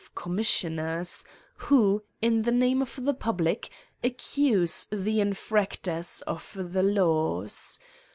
2 missioners, who, in the name of the public, accuse the infractors of the laws.